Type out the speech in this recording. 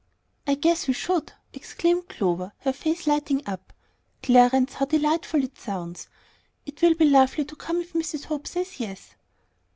"I 'guess' we should," exclaimed Clover, her face lighting up. "Clarence, how delightful it sounds! It will be lovely to come if Mrs. Hope says yes."